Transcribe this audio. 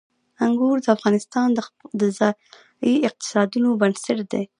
انګور د افغانستان د ځایي اقتصادونو بنسټ دی.